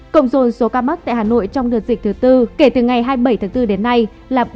cộng dồn số ca mắc tại hà nội trong đợt dịch thứ tư kể từ ngày hai mươi bảy tháng bốn đến nay là bốn một trăm hai mươi năm ca